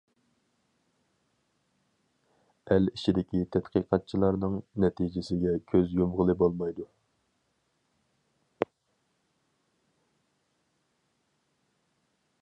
ئەل ئىچىدىكى تەتقىقاتچىلارنىڭ نەتىجىسىگە كۆز يۇمغىلى بولمايدۇ.